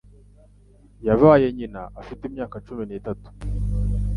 Yabaye nyina afite imyaka cumi n'itanu.